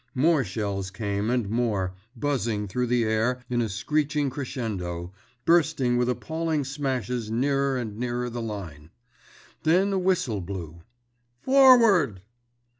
More shells came, and more, buzzing through the air in a screeching crescendo, bursting with appalling smashes nearer and nearer the line. Then a whistle blew. _Forward!